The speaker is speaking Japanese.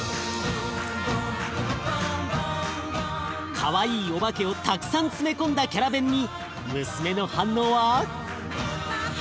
かわいいお化けをたくさん詰め込んだキャラベンに娘の反応は？